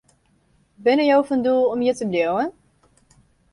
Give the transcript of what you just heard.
Binne jo fan doel om hjir te bliuwen?